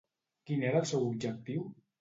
Quin era el seu objectiu?